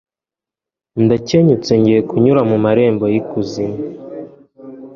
ndakenyutse ngiye kunyura mu marembo y'ikuzimu